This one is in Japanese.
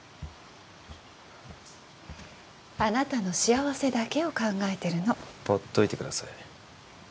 あなたの幸せだけを考えてるのほっといてください